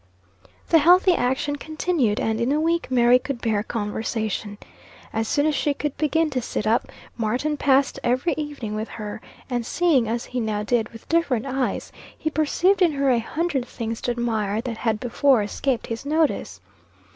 The healthy action continued, and in a week Mary could bear conversation. As soon as she could begin to sit up, Martin passed every evening with her, and seeing, as he now did, with different eyes, he perceived in her a hundred things to admire that had before escaped his notice.